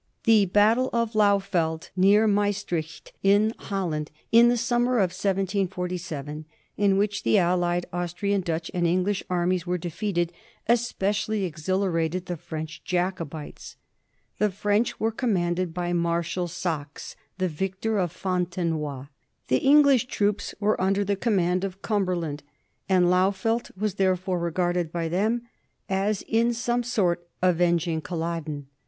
The battle of Lauffeld, near Maestricht, in Holland, in the summer of 1747, in which the allied Austrian, Dutch, and English armies were defeated, es pecially exhilarated the French Jacobites. The French were commanded by Marshal Saxe, the victor of Fontenoy. The English troops were under the command of Cumber land, and Lauffeld was therefore regarded by them as in some sort avenging Culloden.